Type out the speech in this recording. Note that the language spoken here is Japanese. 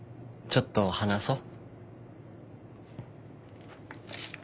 ちょっと話そう。